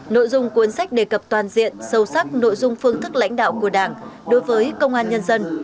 nội dung cuốn sách đề cập toàn diện sâu sắc nội dung phương thức lãnh đạo của đảng đối với công an nhân dân